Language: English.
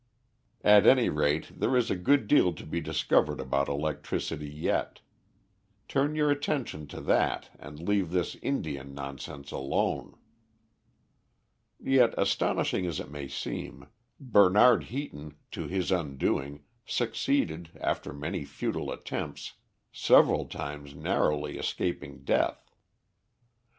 "At any rate there is a good deal to be discovered about electricity yet. Turn your attention to that and leave this Indian nonsense alone." Yet, astonishing as it may seem, Bernard Heaton, to his undoing, succeeded, after many futile attempts, several times narrowly escaping death.